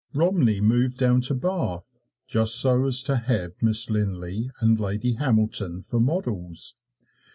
Romney moved down to Bath just so as to have Miss Linlay and Lady Hamilton for models.